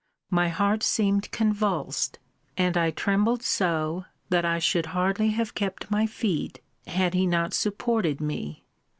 My heart seemed convulsed; and I trembled so, that I should hardly have kept my feet, had he not supported me.